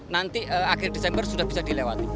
nanti akhir desember sudah bisa dilewati